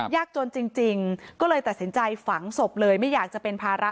ยากจนจริงก็เลยตัดสินใจฝังศพเลยไม่อยากจะเป็นภาระ